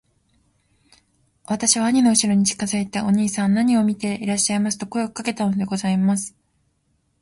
私は兄のうしろに近づいて『兄さん何を見ていらっしゃいます』と声をかけたのでございます。